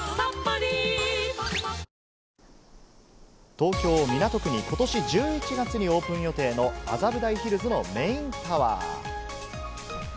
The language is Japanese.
東京・港区にことし１１月にオープン予定の麻布台ヒルズのメインタワー。